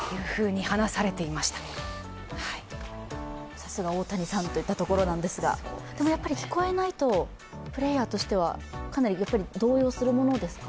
さすが大谷さんといったところなんですが、でも、聞こえないとプレーヤーとしてはかなり動揺するものですか。